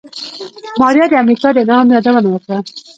ماريا د امريکا د انعام يادونه وکړه.